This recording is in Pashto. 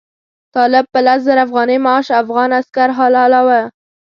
طالب په لس زره افغانۍ معاش افغان عسکر حلالاوه.